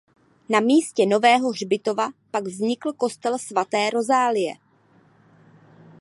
Na místě nového hřbitova pak vznikl kostel svaté Rozálie.